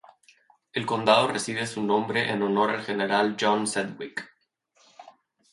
El condado recibe su nombre en honor al general John Sedgwick.